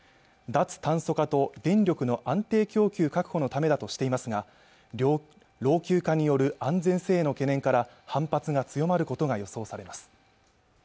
脱炭素化と電力の安定供給確保のためだとしていますが老朽化による安全性の懸念から反発が強まることが予想されます